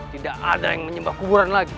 tidak ada yang menyembah kuburan lagi